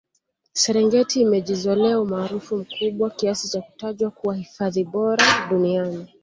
serengeti imejizolea umaarufu mkubwa kiasi cha kutajwa kuwa hifadhi bora duniani